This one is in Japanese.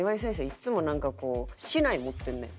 いつもなんか竹刀持ってんねん。